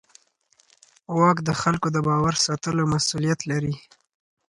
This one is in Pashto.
واک د خلکو د باور ساتلو مسؤلیت لري.